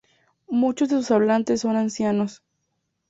Muchos de sus hablantes son ancianos.